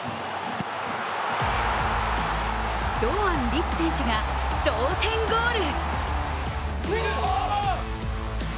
堂安律選手が同点ゴール。